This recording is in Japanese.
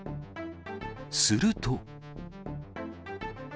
すると。